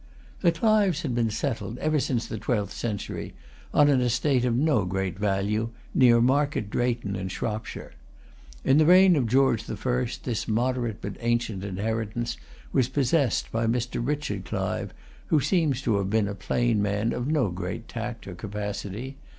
The Clives had been settled, ever since the twelfth century, on an estate of no great value, near Market Drayton, in Shropshire. In the reign of George the First this moderate but ancient inheritance was possessed by Mr. Richard Clive, who seems to have been a plain man of no great tact or capacity.